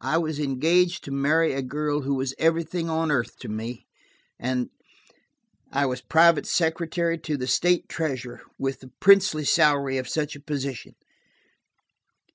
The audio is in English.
"I was engaged to marry a girl who was everything on earth to me, and–I was private secretary to the state treasurer, with the princely salary of such a position!